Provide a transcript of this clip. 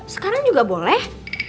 sekarang juga boleh